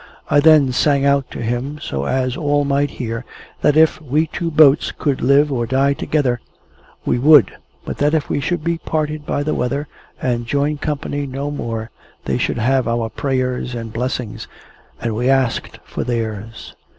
I then sang out to him, so as all might hear, that if we two boats could live or die together, we would; but, that if we should be parted by the weather, and join company no more, they should have our prayers and blessings, and we asked for theirs.